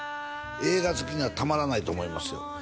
映画好きにはたまらないと思いますよ